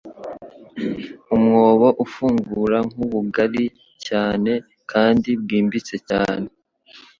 umwobo ufungura nk'ubugari cyane kandi bwimbitse cyane